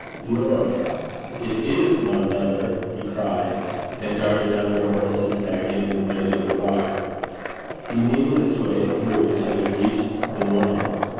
'Lord, it is my mither!' he cried, and darted under a horse's neck into the middle of the ruck. He needled his way through till he reached the woman.